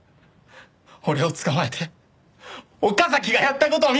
俺を捕まえて岡崎がやった事を見逃すんだろ！